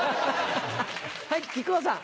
はい木久扇さん。